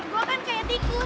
bebek gua kan kayak tikus